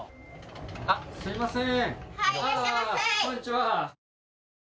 あっすいません。